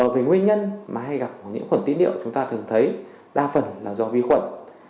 về nguyên nhân mà hay gặp nhiễm khuẩn tiết niệu chúng ta thường thấy đa phần là do vi khuẩn